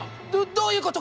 どういうこと？